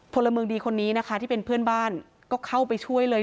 พลเมืองดีคนนี้นะคะที่เป็นเพื่อนบ้านก็เข้าไปช่วยเลย